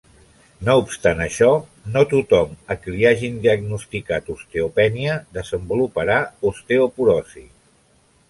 No obstant això, no tothom a qui li hagin diagnosticat osteopènia desenvoluparà osteoporosi.